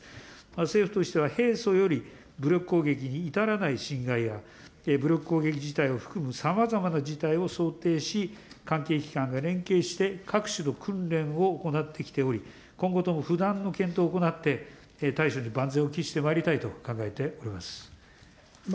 政府としては平素より、武力攻撃に至らない侵害や、武力攻撃じたいを含むさまざまな事態を想定し、関係機関が連携して各種の訓練を行ってきており、今後とも不断の検討を行って、対処に万全を期してまいりたいと考えております。